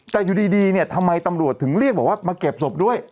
แต่อยู่ดีเนี่ยทำไมตำรวจถึงเรียกบอกว่ามาเก็บศพด้วย